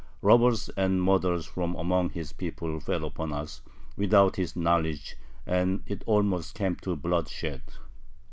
Robbers and murderers from among his people fell upon us, without his knowledge, and it almost came to bloodshed.